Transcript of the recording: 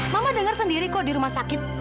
mama dengar sendiri kok di rumah sakit